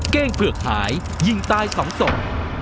เก้งเผือกหายยิงตายสองศพ